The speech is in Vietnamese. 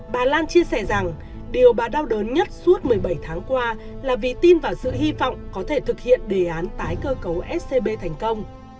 bà lan chia sẻ rằng điều bà đau đớn nhất suốt một mươi bảy tháng qua là vì tin vào sự hy vọng có thể thực hiện đề án tái cơ cấu scb thành công